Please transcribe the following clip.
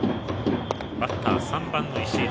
バッターは３番の石井。